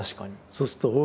そうするとうん！